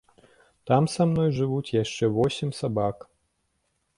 Там са мной жывуць яшчэ восем сабак.